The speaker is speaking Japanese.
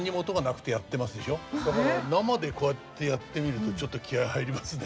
だから生でこうやってやってみるとちょっと気合い入りますね。